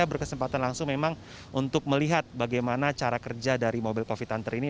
saya berkesempatan langsung memang untuk melihat bagaimana cara kerja dari mobil covid hunter ini